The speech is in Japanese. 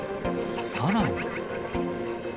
さらに。